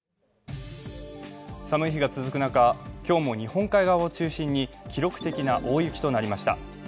寒い日が続く中、今日も日本海側を中心に記録的な大雪となりました。